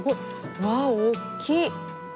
うわあ大きい！